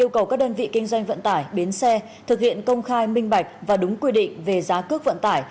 các đơn vị kinh doanh vận tải biến xe thực hiện công khai minh bạch và đúng quy định về giá cước vận tải